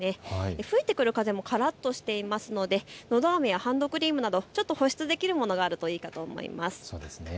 吹いてくる風もからっとしていますのでのどあめやハンドクリームなどちょっと保湿できるものがあるといいかと思います。